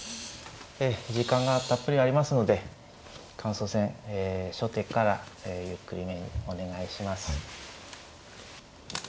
時間がたっぷりありますので感想戦初手からゆっくりめにお願いします。